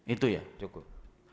itu ya cukup